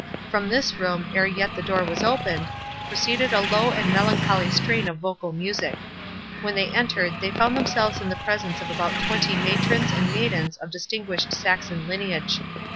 From this room, ere yet the door was opened, proceeded a low and melancholy strain of vocal music. When they entered, they found themselves in the presence of about twenty matrons and maidens of distinguished Saxon lineage.